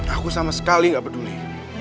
aku sama sekali gak peduli